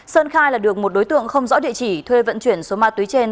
sơn khai là được một đối tượng không rõ địa chỉ thuê vận chuyển số ma túy trên